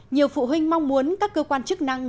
nhiều phụ huynh mong muốn các cơ quan chức năng